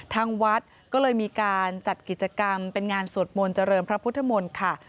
ทางวัดก็เลยมีการจัดกิจกรรมเป็นงานสวดมนต์เจริญพระพุทธมนตร์ค่ะ